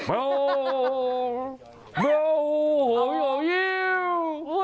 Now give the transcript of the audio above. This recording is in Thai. โอ้โหโอ้โหโอ้โหน้องเยียว